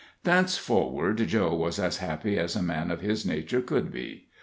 Thenceforward Joe was as happy as a man of his nature could be.